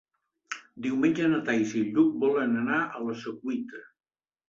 Diumenge na Thaís i en Lluc volen anar a la Secuita.